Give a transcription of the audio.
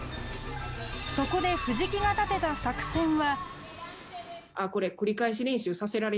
そこで藤木が立てた作戦は。